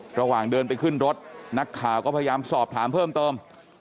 ระหว่างเดินไปขึ้นรถนักข่าวก็พยายามสอบถามเพิ่มเติม